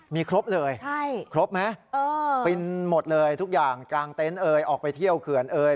มีครบเลยครบไหมฟินหมดเลยทุกอย่างกลางเต็นต์เอ่ยออกไปเที่ยวเขื่อนเอ่ย